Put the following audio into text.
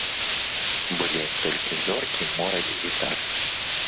Былі толькі зоркі, мора і гітара.